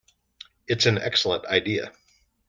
It's an excellent idea.